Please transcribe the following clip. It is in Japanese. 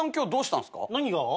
何が？